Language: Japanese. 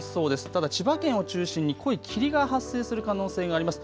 ただ千葉県を中心に濃い霧が発生する可能性があります。